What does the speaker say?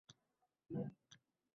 Shoʼrlik avom gardanida boʼyinturuq.